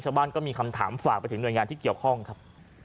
ก็มีคำถามฝากไปถึงหน่วยงานที่เกี่ยวข้องครับ